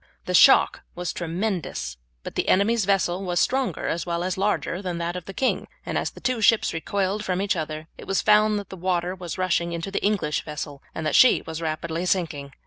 The shock was tremendous, but the enemy's vessel was stronger as well as larger than that of the king; and as the two ships recoiled from each other it was found that the water was rushing into the English vessel, and that she was rapidly sinking.